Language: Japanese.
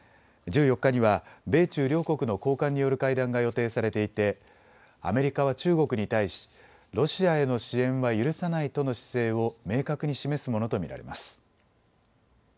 １４日には米中両国の高官による会談が予定されていてアメリカは中国に対しロシアへの支援は許さないとの姿勢を明確に示すものと見られます。